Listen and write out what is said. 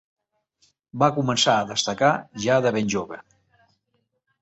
Va començar a destacar ja de ben jove.